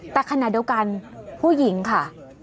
แต่ขณะเดียวกันผู้หญิงค่ะ